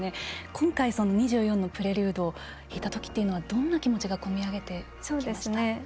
今回「２４のプレリュード」を弾いたときというのはどんな気持ちが込み上げてきました？